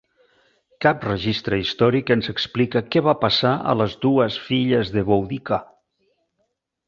Cap registre històric ens explica què va passar a les dues filles de Boudica.